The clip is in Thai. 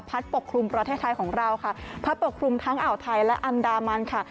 ปกคลุมประเทศไทยของเราค่ะพัดปกคลุมทั้งอ่าวไทยและอันดามันค่ะ